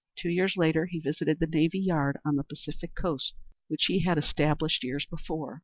Two years later he visited the navy yard on the Pacific Coast, which he had established years before.